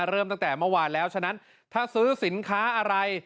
เริ่มตั้งแต่เมื่อวานแล้วฉะนั้นถ้าซื้อสินค้าอะไร